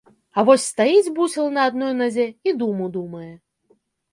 А вось стаіць бусел на адной назе і думу думае.